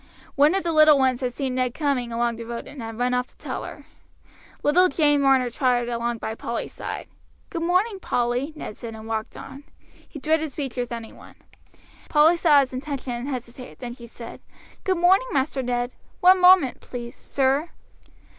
One of the little ones had seen Ned coming along the road and had run off to tell her. Little Jane Marner trotted along by Polly's side. "Good morning, Polly!" Ned said, and walked on. He dreaded speech with any one. Polly saw his intention and hesitated; then she said: "Good morning, Master Ned! One moment, please, sir."